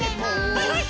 はいはい。